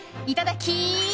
いただき！